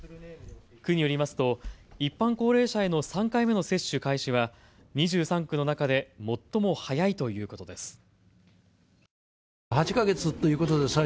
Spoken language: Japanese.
区によりますと一般高齢者への３回目の接種開始は２３区の中で最も早いということです。